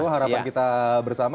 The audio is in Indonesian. harapan kita bersama